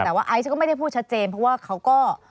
แต่ว่าไอซ์ก็ไม่ได้พูดชัดเจนเพราะว่าเขาก็